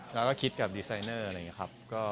เราก็คิดกับดีไซเนอร์